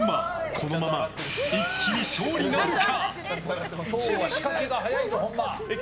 このまま一気に勝利なるか？